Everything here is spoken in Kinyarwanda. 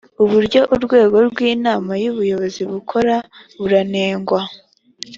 uburyo urwego rw’inama y’ubuyobozi bukora buranengwa